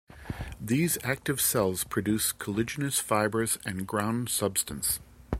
These active cells produce collagenous fibers and ground substance.